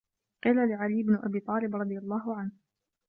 قِيلَ لِعَلِيِّ بْنِ أَبِي طَالِبٍ رَضِيَ اللَّهُ عَنْهُ